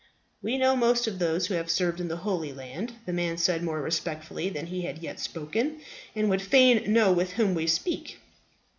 "We know most of those who have served in the Holy Land," the man said more respectfully than he had yet spoken, "and would fain know with whom we speak."